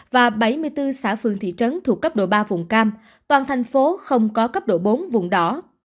và bảy mươi bốn xã phương thị trấn thuộc cấp độ ba vùng cam toàn thành phố không có cấp độ bốn vùng đỏ